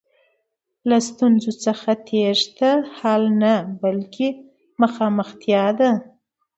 له ستونزو څخه تېښته حل نه، بلکې مخامختیا ده.